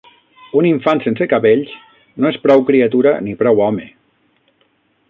Un infant sense cabells no és prou criatura ni prou home.